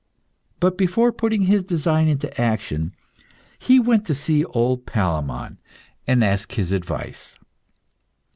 But before putting his design into action, he went to see old Palemon and ask his advice.